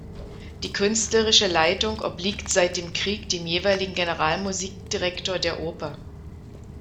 Die künstlerische Leitung obliegt seit dem Krieg dem jeweiligen Generalmusikdirektor der Oper.